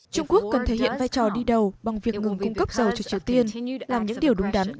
trung quốc cần thể hiện vai trò đi đầu bằng việc ngừng cung cấp dầu cho triều tiên làm những điều đúng đắn